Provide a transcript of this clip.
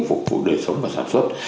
phục vụ đời sống và sản xuất